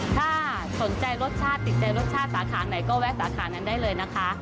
ถ้าสนใจรสชาติติดใจรสชาติสาขาไหนก็แวะสาขานั้นได้เลยนะคะ